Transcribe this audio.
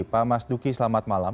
pak mas duki selamat malam